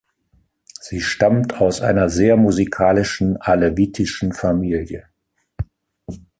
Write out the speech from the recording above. Sie stammt aus einer sehr musikalischen alevitischen Familie.